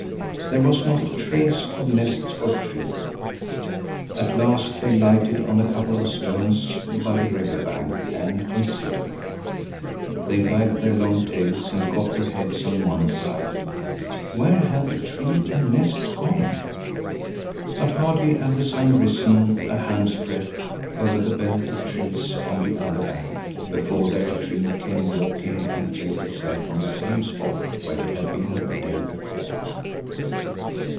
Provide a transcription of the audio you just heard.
There was not a trace of nest or tree. At last they lighted on a couple of stones by the river bank and considered. They wagged their long tails and cocked their heads on one side. Where had the tree and nest gone? But hardly had the sun risen a handsbreadth over the belt of trees on the other bank, before their tree came walking and placed itself on the same spot where it had been the day before.